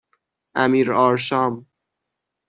امیرآرشام